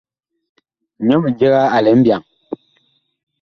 Nyɔ mindiga a lɛ mbyaŋ.